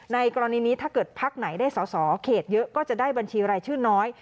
กรณีนี้ถ้าเกิดพักไหนได้สอสอเขตเยอะก็จะได้บัญชีรายชื่อน้อย